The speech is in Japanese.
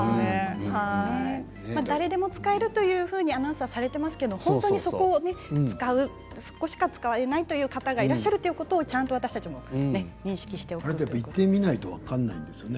誰でも使えるとアナウンスされていますが本当にそこしか使えないという方がいらっしゃるということもちゃんと私たちも認識しておかないとですね。